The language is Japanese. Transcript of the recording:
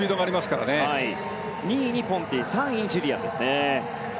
２位にポンティ３位にジュリアンですね。